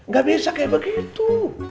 gak bisa kayak begitu